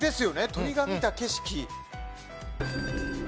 鳥が見た景色。